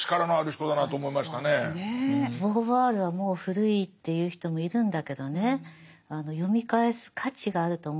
ボーヴォワールはもう古いって言う人もいるんだけどね読み返す価値があると思います。